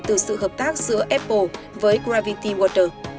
từ sự hợp tác giữa apple với gravity water